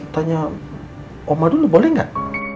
tanya oma dulu boleh nggak